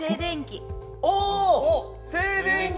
お静電気！